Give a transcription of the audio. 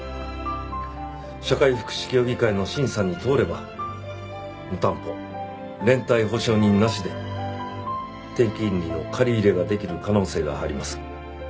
社会福祉協議会の審査に通れば無担保連帯保証人なしで低金利の借り入れができる可能性があります。